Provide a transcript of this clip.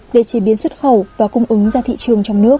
để chế biến xuất khẩu và cung ứng ra thị trường trong nước